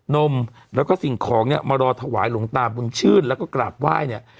นมแล้วก็สิ่งของเนี่ยมารอถวายหลวงตาบุญชื่นแล้วก็กราบไหว้เนี่ย